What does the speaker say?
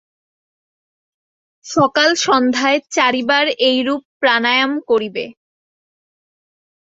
সকাল-সন্ধ্যায় চারিবার এইরূপ প্রাণায়াম করিবে।